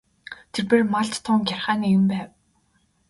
Тэрбээр малд тун гярхай нэгэн байв.